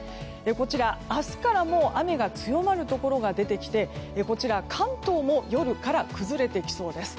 こちら明日からもう雨が強まるところが出てきて関東も夜から崩れてきそうです。